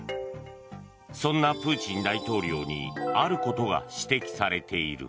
そんなプーチン大統領にあることが指摘されている。